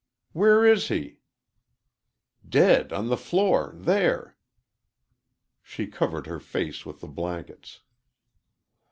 "Where is he?" "Dead on the floor there." She covered her face with the blankets.